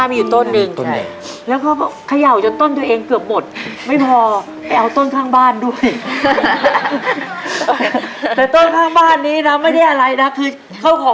ไม่ได้อะไรนะคือของเขาไม่ห่วงไหมครับ